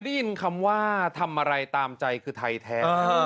ได้ยินคำว่าทำอะไรตามใจคือไทยแท้